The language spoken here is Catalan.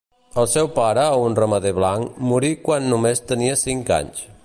El seu pare, un ramader blanc, morí quan només tenia cinc anys.